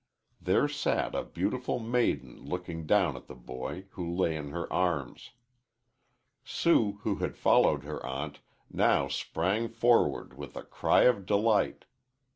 There sat a beautiful maiden looking down at the boy, who lay in her arms. Sue, who had followed her aunt, now sprang forward with a cry of delight.